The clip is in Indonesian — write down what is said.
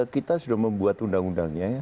kita sudah membuat undang undangnya ya